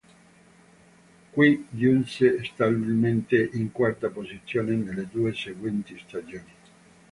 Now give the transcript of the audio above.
Qui giunse stabilmente in quarta posizione nelle due seguenti stagioni.